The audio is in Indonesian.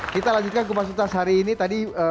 kita lanjutkan kupas tuntas hari ini tadi